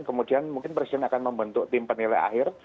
kemudian mungkin presiden akan membentuk tim penilai akhir